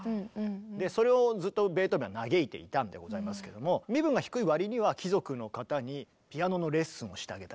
でそれをずっとベートーベンは嘆いていたんでございますけども身分が低い割には貴族の方にピアノのレッスンをしてあげたりとか。